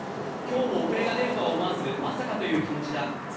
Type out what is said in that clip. きょうも遅れが出ると思わずまさかという気持ちだ。